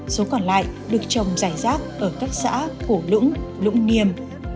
số còn lại được trồng giải rác ở các xã cổ lũng lũng niềm